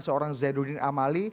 seorang zainuddin amali